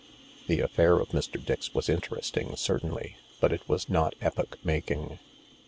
The affair of Mr. Dix was interesting, certainly, but it was not epoch making.